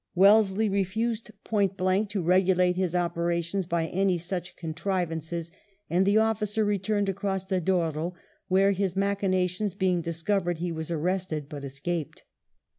Wellesley refused point blank to regulate his operations by any such contrivances, and the officer returned across the Douro, where, his machinations being discovered, he was arrested but escaped.